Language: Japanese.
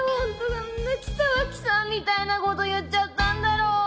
何で北脇さんみたいなこと言っちゃったんだろう！